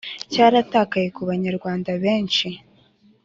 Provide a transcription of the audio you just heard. Cyaratakaye ku banyarwanda benshi